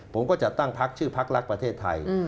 ผมก็จะตั้งชื่อพักลักษณ์ประเทศไทย